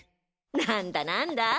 なんだなんだ？